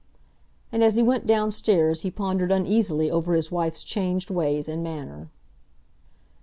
And as he went downstairs he pondered uneasily over his wife's changed ways and manner.